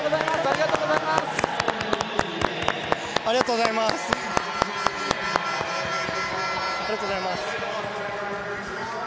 ありがとうございます！